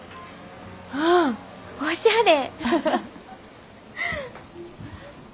ああおしゃれ！